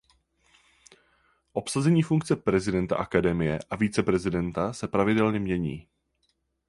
Obsazení funkce prezidenta Akademie a viceprezidenta se pravidelně mění.